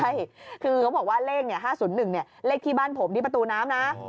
ใช่คือเขาบอกว่าเลข๕๐๑เลขที่บ้านผมที่ประตูน้ำนะ